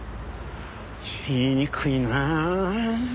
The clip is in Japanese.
言いにくいなあ。